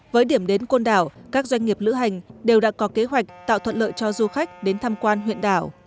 với điểm đến côn đảo các doanh nghiệp lữ hành đều đã có kế hoạch tạo thuận lợi cho du khách đến tham quan huyện đảo